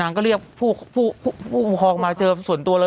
ก็เรียกผู้ปกครองมาเจอส่วนตัวเลย